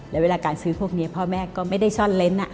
แล้วเวลาการซื้อพวกนี้พ่อแม่ก็ไม่ได้ซ่อนเล้น